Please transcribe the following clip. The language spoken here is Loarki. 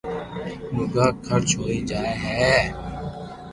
روگا خرچ ھوئي جائي ھي